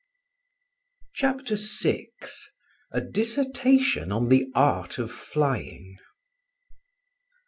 CHAPTER VI A DISSERTATION ON THE ART OF FLYING.